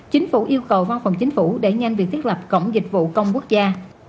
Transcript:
chính phủ yêu cầu văn phòng chính phủ đẩy nhanh việc thiết lập cổng dịch vụ công quốc gia